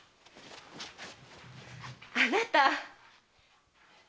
あなた！